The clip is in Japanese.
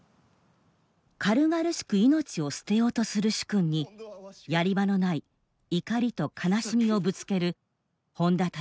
軽々しく命を捨てようとする主君にやり場のない怒りと悲しみをぶつける本多忠勝。